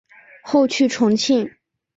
后去重庆。